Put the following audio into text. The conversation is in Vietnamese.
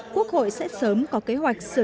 quốc hội sẽ sớm có kế hoạch sử dụng